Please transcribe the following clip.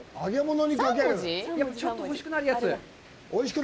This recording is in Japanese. ちょっと欲しくなるやつ。